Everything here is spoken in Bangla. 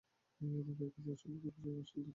আমাকে এখন ওর সম্পর্কে, কিছু আসল তথ্য দিন।